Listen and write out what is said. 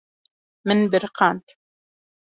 Min biriqand.